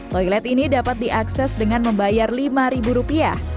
toilet ini dapat diakses dengan membayar lima rupiah